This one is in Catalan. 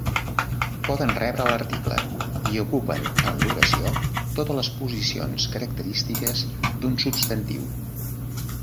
Poden rebre l'article i ocupen en l'oració totes les posicions característiques d'un substantiu.